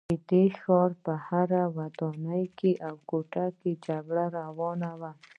د دې ښار په هره ودانۍ او کوټه کې جګړه روانه وه